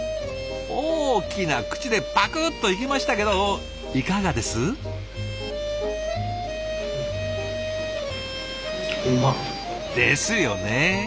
大きな口でパクッといきましたけどいかがです？ですよね！